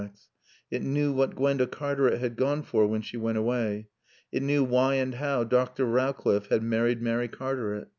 It knew what Gwenda Cartaret had gone for when she went away. It knew why and how Dr. Rowcliffe had married Mary Cartaret.